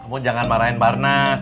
kamu jangan marahin barnas